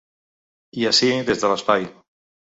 I ací, des de l’espai.